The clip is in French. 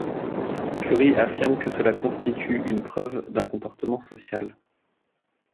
Currie affirme que cela constitue une preuve d'un comportement social.